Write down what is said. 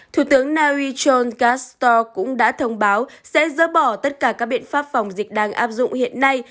thủ tướng narichol castro cũng đã thông báo sẽ dỡ bỏ tất cả các biện pháp phòng dịch đang áp dụng hiện nay